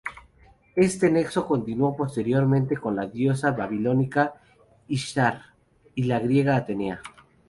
Este nexo continuó posteriormente con la diosa babilónica Ishtar y la griega Atenea.